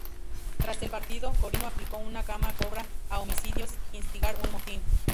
Tras el partido, Corino aplicó una cama cobra a Homicidios, instigar un motín.